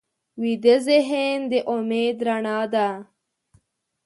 ویده ذهن د امید رڼا ده